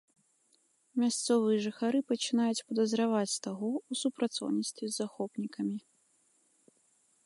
Мясцовыя жыхары пачынаюць падазраваць таго ў супрацоўніцтве з захопнікамі.